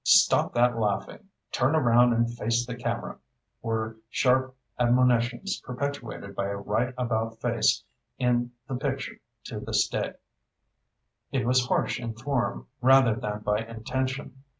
"Stop that laughing! Turn around and face the camera," were sharp admonitions perpetuated by a right about face in the picture to this day. It was harsh in form, rather than by intention.